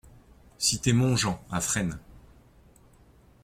Cité Montjean à Fresnes